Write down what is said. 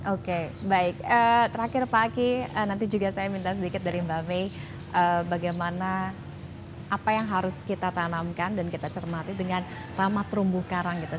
oke baik terakhir pak aki nanti juga saya minta sedikit dari mbak mei bagaimana apa yang harus kita tanamkan dan kita cermati dengan ramah rumbu karang gitu